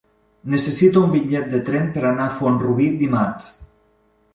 Necessito un bitllet de tren per anar a Font-rubí dimarts.